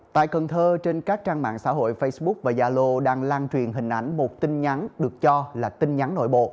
tại cần thơ trên các trang mạng xã hội facebook và zalo đang lan truyền hình ảnh một tin nhắn được cho là tin nhắn nội bộ